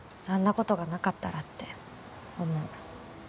ことがなかったらって思う